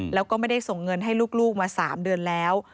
แล้วก็ไม่ได้ส่งเงินให้ลูกมา๓เดือนแล้ว